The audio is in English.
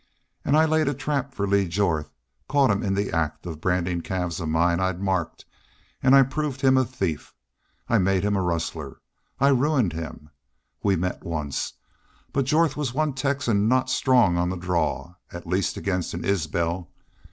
An' I laid a trap for Lee Jorth, caught him in the act of brandin' calves of mine I'd marked, an' I proved him a thief. I made him a rustler. I ruined him. We met once. But Jorth was one Texan not strong on the draw, at least against an Isbel.